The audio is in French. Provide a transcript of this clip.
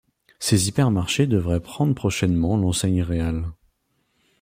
Ces hypermarchés devraient prendre prochainement l'enseigne Real.